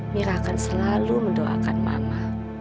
mira akan selalu mendoakan mama